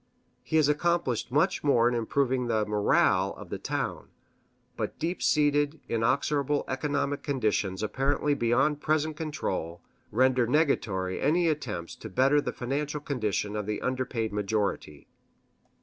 He has accomplished much in improving the morale of the town; but deep seated, inexorable economic conditions, apparently beyond present control, render nugatory any attempts to better the financial condition of the underpaid majority.